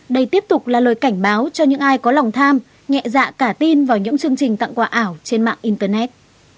đây tiếp tục là lời cảnh báo cho những ai có lòng tham nhẹ dạ cả tin vào những chương trình tặng quà ảo trên mạng internet